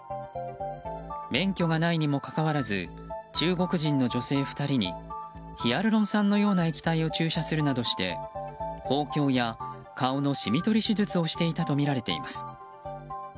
免許がないにもかかわらず中国人の女性２人にヒアルロン酸のような液体を注射するなどして豊胸や、顔のシミ取り手術をしていたとみられています。